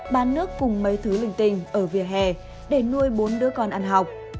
bán nước cùng mấy thứ linh tinh ở vỉa hè để nuôi bốn đứa con ăn học